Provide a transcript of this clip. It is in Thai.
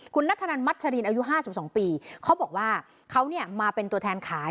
คุณนัทธนันมัชรินอายุ๕๒ปีเขาบอกว่าเขาเนี่ยมาเป็นตัวแทนขาย